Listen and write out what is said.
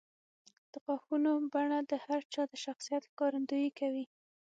د غاښونو بڼه د هر چا د شخصیت ښکارندویي کوي.